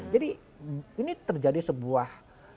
jadi ini terjadi sebuah